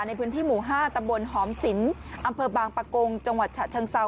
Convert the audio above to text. ในพื้นที่หมู่๕ตำบลหอมสินอำเภอบางปะกงจังหวัดฉะเชิงเซา